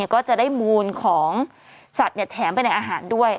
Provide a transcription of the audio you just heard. ก็จะได้มูลของสัตว์แถมไปในอาหารด้วย